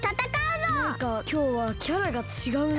マイカきょうはキャラがちがうな。